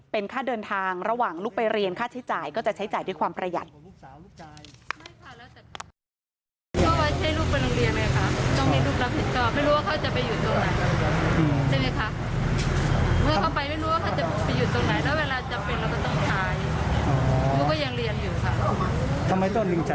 เป็นค่าเดินทางระหว่างลูกไปเรียนค่าใช้จ่ายก็จะใช้จ่ายด้วยความประหยัด